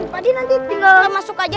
pak d nanti tinggal masuk aja